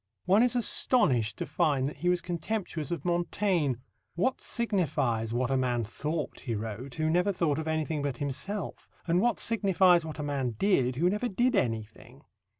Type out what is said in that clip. One is astonished to find that he was contemptuous of Montaigne. "What signifies what a man thought," he wrote, "who never thought of anything but himself, and what signifies what a man did who never did anything?"